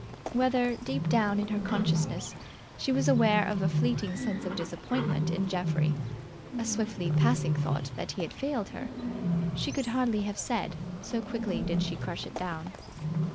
Whether, deep down in her consciousness, she was aware of a fleeting sense of disappointment in Geoffrey, a swiftly passing thought that he had failed her, she could hardly have said, so quickly did she crush it down.